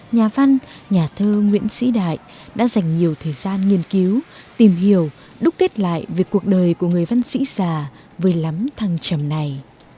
nhà văn nhà thơ nguyễn sĩ đại đã dành nhiều thời gian nghiên cứu tìm hiểu đúc kết lại về cuộc đời của người văn sĩ già với lắm thăng trầm này